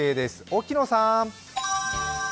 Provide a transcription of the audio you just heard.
沖野さん。